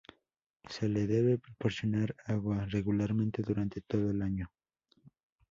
Se le debe proporcionar agua regularmente durante todo el año.